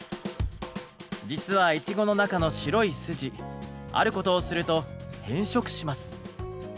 実はイチゴの中の白い筋あることをすると変色します。